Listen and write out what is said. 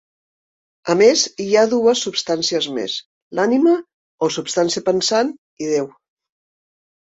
A més, hi ha dues substàncies més: l'ànima, o substància pensant, i Déu.